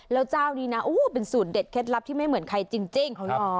แล้วเจ้านี้นะเป็นสูตรเด็ดเคล็ดลับที่ไม่เหมือนใครจริง